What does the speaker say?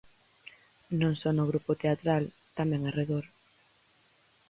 Non só no grupo teatral: tamén arredor.